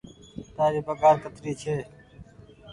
تآري پگهآر ڪتري ڇي۔